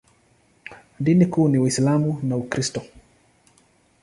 Dini kuu ni Uislamu na Ukristo.